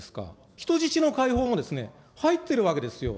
人質の解放も入ってるわけですよ。